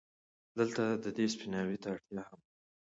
دلته د دې سپيناوي اړتيا هم ده،